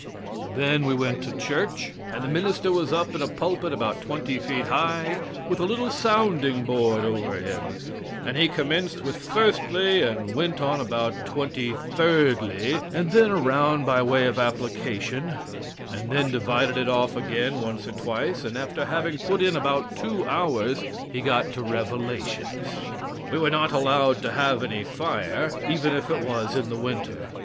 Then we went to church, and the minister was up in a pulpit about twenty feet high, with a little sounding board over him, and he commenced with Firstly and went on to about twenty thirdly, and then around by way of application, and then divided it off again once or twice, and after having put in about two hours, he got to Revelations. We were not allowed to have any fire, even if it was in the winter.